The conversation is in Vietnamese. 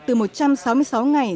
từ một trăm sáu mươi sáu ngày